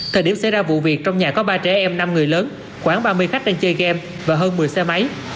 thời điểm xảy ra vụ việc trong nhà có ba trẻ em năm người lớn khoảng ba mươi khách đang chơi game và hơn một mươi xe máy